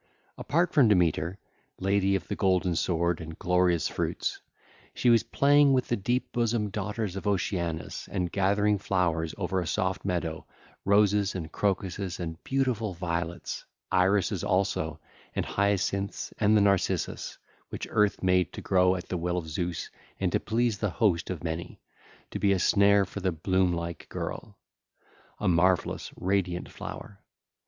(ll. 4 18) Apart from Demeter, lady of the golden sword and glorious fruits, she was playing with the deep bosomed daughters of Oceanus and gathering flowers over a soft meadow, roses and crocuses and beautiful violets, irises also and hyacinths and the narcissus, which Earth made to grow at the will of Zeus and to please the Host of Many, to be a snare for the bloom like girl—a marvellous, radiant flower.